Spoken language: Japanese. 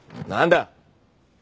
何だ？